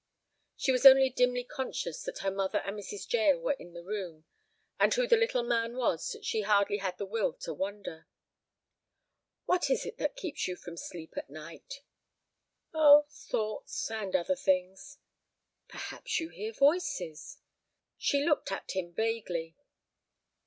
She was only dimly conscious that her mother and Mrs. Jael were in the room, and who the little man was she hardly had the will to wonder. "What is it that keeps you from sleep at night?" "Oh, thoughts—and other things." "Perhaps you hear voices?" She looked at him vaguely.